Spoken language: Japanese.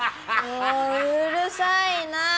もううるさいな！